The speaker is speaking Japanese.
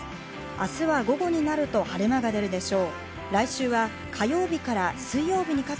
明日は午後になると晴れ間が出るでしょう。